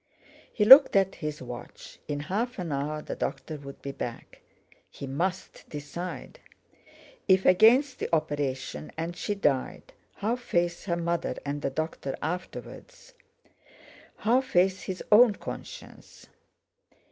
He looked at his watch. In half an hour the doctor would be back. He must decide! If against the operation and she died, how face her mother and the doctor afterwards? How face his own conscience?